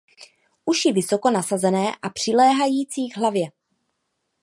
Uši vysoko nasazené a přiléhající k hlavě.